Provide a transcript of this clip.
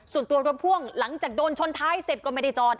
ส่วนตัวรถพ่วงหลังจากโดนชนท้ายเสร็จก็ไม่ได้จอด